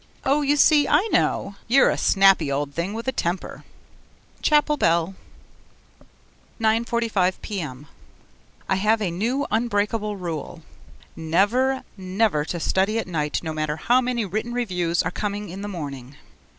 Oh, you see, I know! You're a snappy old thing with a temper. (Chapel bell.) 9.45 p.m. I have a new unbreakable rule: never, never to study at night no matter how many written reviews are coming in the morning.